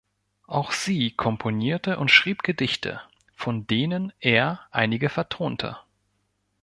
Auch sie komponierte und schrieb Gedichte, von denen er einige vertonte.